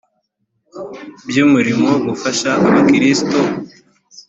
iby’’umurimo gufasha abakristo